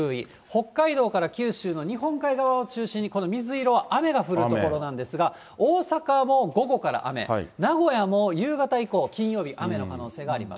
北海道から九州の日本海側を中心にこの水色は雨が降る所なんですが、大阪も午後から雨、名古屋も夕方以降、金曜日雨の可能性があります。